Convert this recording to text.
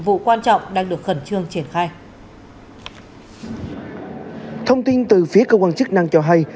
vụ quan trọng đang được khẩn trương triển khai thông tin từ phía cơ quan chức năng cho hay